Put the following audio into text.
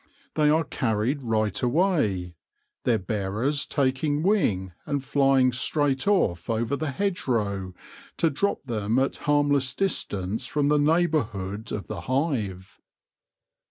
They are carried right away, their bearers taking wing and flying straight off over the hedgerow, to drop them at harmless distance from the neighbourhood of the hive.